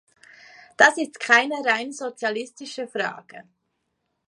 Das ist keine rein sozialistische Frage.